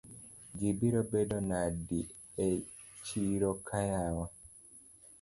Ji biro bedo nade echiroka yawa?